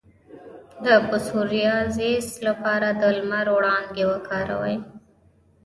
د پسوریازیس لپاره د لمر وړانګې وکاروئ